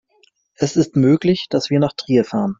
Es ist möglich, dass wir nach Trier fahren